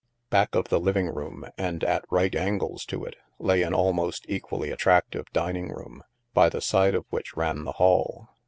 Back of the living room and at right angles to it, lay an almost equally attractive dining room, by the side of which ran the hall.